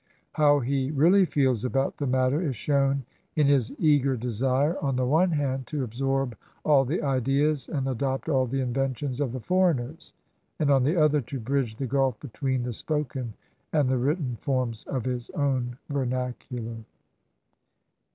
How he really feels about the matter is shown in his eager desire, on the one hand, to absorb all the ideas and adopt all the inventions of the foreigners, and, on the other, to bridge the gulf between the spoken and the written forms of his own vernacular.